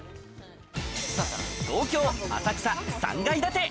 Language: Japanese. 東京・浅草３階建て。